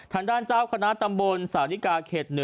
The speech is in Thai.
ทางด้านเจ้าคณะตำบลสาธิกาเขต๑